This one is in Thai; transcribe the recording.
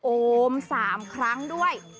โอม๓ครั้งด้วย